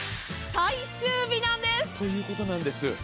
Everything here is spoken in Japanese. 最終日なんです！という事なんです。